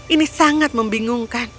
ini sangat membingungkan